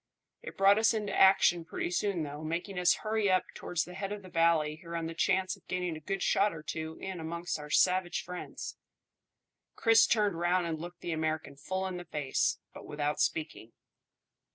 It brought us into action pretty soon though, making us hurry up towards the head of the valley here on the chance of getting a good shot or two in amongst our savage friends." Chris turned round and looked the American full in the face, but without speaking.